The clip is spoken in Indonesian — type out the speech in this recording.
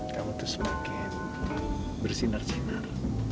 kamu tuh semakin bersinar sinar